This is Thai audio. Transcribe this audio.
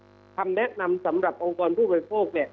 อย่างนั้นเนี่ยถ้าเราไม่มีอะไรที่จะเปรียบเทียบเราจะทราบได้ไงฮะเออ